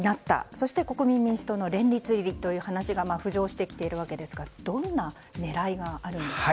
そして国民民主党の連立入りという話が浮上してきているわけですがどんな狙いがあるんですか。